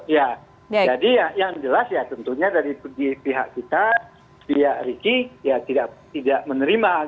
jadi yang jelas ya tentunya dari pihak kita pihak ricky ya tidak menerima